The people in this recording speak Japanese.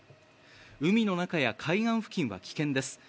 海の中や海岸付近は危険です。